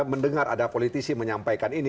mendengar ada politisi menyampaikan ini